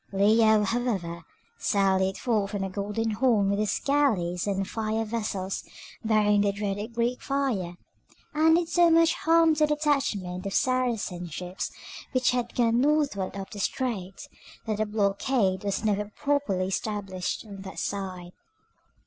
Leo, however, sallied forth from the Golden Horn with his galleys and fire vessels bearing the dreaded Greek fire, and did so much harm to the detachment of Saracen ships which had gone northward up the strait, that the blockade was never properly established on that side.